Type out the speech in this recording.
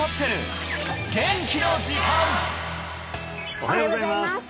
おはようございます